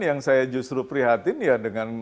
yang saya justru prihatin ya dengan